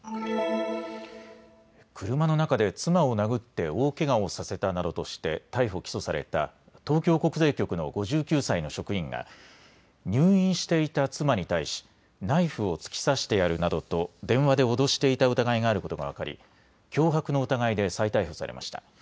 車の中で妻を殴って大けがをさせたなどとして逮捕・起訴された東京国税局の５９歳の職員が入院していた妻に対しナイフを突き刺してやるなどと電話で脅していた疑いがあることが分かり脅迫の疑いで再逮捕されました。